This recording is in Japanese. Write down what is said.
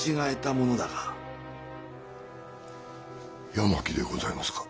八巻でございますか？